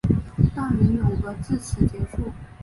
大明永和至此结束。